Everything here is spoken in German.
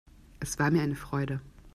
Es war mir eine Freude.